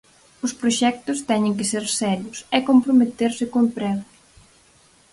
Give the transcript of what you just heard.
Os proxectos teñen que ser serios e comprometerse co emprego.